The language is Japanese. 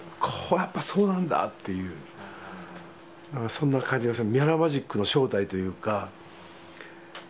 そんな感じがする。